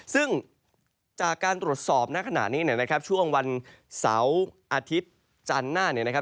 ซึ่งจากการตรวจสอบในขณะนี้ช่วงวันเสาร์อาทิตย์จันทร์หน้า